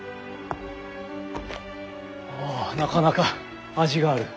ああなかなか味がある。